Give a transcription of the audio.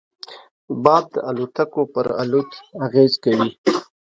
باد د الوتکو پر الوت اغېز کوي